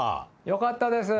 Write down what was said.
よかったです。